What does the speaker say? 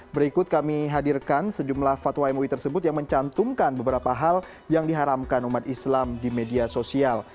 berikut kami hadirkan sejumlah fatwa mui tersebut yang mencantumkan beberapa hal yang diharamkan umat islam di media sosial